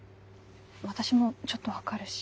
私もちょっと分かるし。